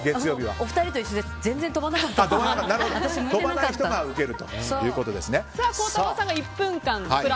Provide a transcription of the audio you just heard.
お二人と一緒で全然、飛ばなかったから。